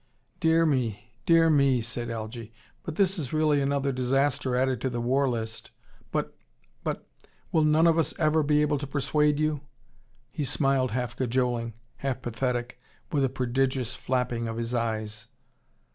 "Dear me! Dear me!" said Algy. "But this is really another disaster added to the war list. But but will none of us ever be able to persuade you?" He smiled half cajoling, half pathetic, with a prodigious flapping of his eyes.